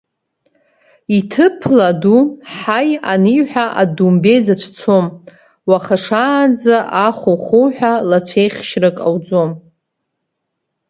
Иҭыԥла ду, ҳаи, аниҳәа, адомбеи зацәцом, уаха шаанӡа ахухуҳәа лацәеихьшьрак ауӡом.